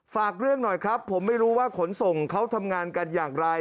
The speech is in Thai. ฝากเรื่องหน่อยครับผมไม่รู้ว่าขนส่งเขาทำงานกันอย่างไร